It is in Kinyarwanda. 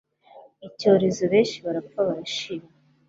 icyorezo, benshi barapfa barashira.